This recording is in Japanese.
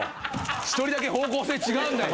１人だけ方向性違うんだよ